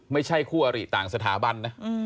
ไม่ใช่คู่อริต่างสถาบันนะ